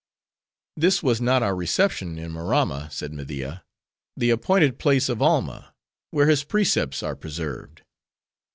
"This was not our reception in Maramma," said Media, "the appointed place of Alma; where his precepts are preserved."